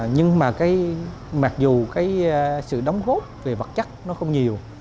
nhưng mà mặc dù sự đóng góp về vật chất nó không nhiều